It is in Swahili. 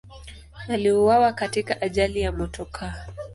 Aliuawa katika ajali ya motokaa.